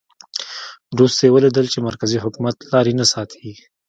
وروسته یې ولیدل چې مرکزي حکومت لاري نه ساتي.